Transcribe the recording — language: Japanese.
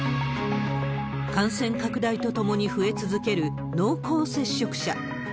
感染拡大とともに増え続ける濃厚接触者。